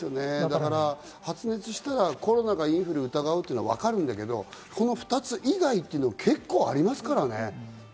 発熱したらコロナはインフルを疑うのはわかるんだけど、この２つ以外も結構ありますからね。